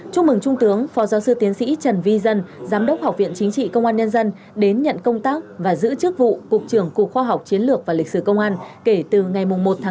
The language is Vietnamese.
chúc mừng trung tướng phó giáo sư tiến sĩ trần vi dân giám đốc học viện chính trị công an nhân dân đến nhận công tác và giữ chức vụ cục trưởng cục khoa học chiến lược và lịch sử công an kể từ ngày một một mươi